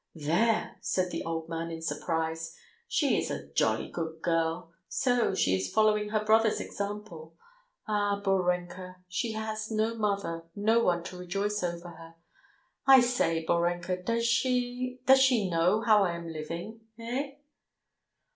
"There!" said the old man in surprise. "She is a jolly good girl! So she is following her brother's example. ... Ah, Borenka, she has no mother, no one to rejoice over her! I say, Borenka, does she ... does she know how I am living? Eh?"